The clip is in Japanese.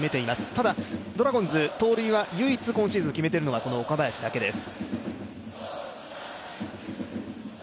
ただ、ドラゴンズ盗塁は唯一今シーズン決めているのはこの岡林だけです。